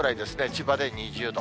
千葉で２０度。